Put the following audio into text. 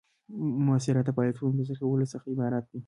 مؤثریت د فعالیتونو د ترسره کولو څخه عبارت دی.